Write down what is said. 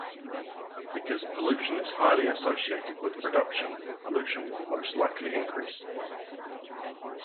Because pollution is highly associated with production, pollution will most likely increase.